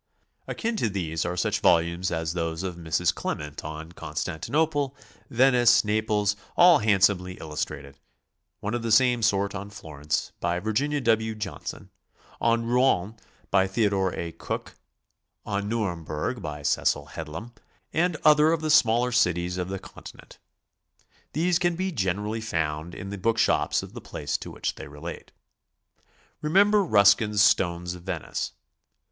Akin to these are such volumes as those of 'Mrs. Clement on Constantinople, Venice, Naples, all handscxme'ly illus trated; one of the same sort on Florence, by Virginia W. Johnson; on Rouen, by Theodore A. Cook; on Nuremburg, by Cecil Headlam; and other of the smaller cities o'f the Con tinent. These can generally be found in the book s<hops of the place to which they relate. Remember Ruskin's Stones of Venice.